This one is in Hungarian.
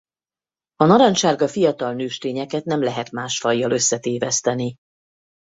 A narancssárga fiatal nőstényeket nem lehet más fajjal összetéveszteni.